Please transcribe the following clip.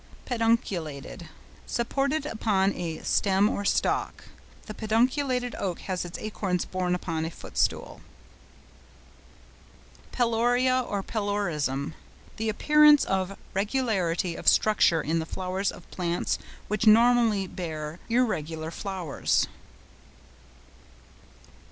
PEDUNCULATED.—Supported upon a stem or stalk. The pedunculated oak has its acorns borne upon a footstool. PELORIA or PELORISM.—The appearance of regularity of structure in the flowers of plants which normally bear irregular flowers.